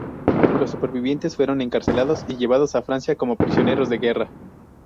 Los supervivientes fueron encarcelados y llevados a Francia como prisioneros de guerra.